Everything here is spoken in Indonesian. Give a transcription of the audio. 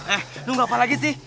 eh lu gapapa lagi sih